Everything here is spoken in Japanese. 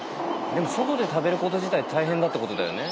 でも外で食べること自体大変だってことだよね。